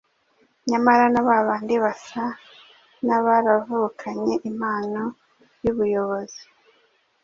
Nyamara na ba bandi basa n’abaravukanye impano y’ubuyobozi